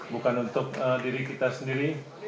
bukan untuk diri kita sendiri